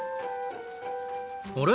あれ？